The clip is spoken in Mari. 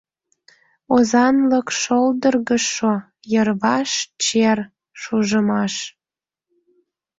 Озанлык шолдыргышо, йырваш чер, шужымаш.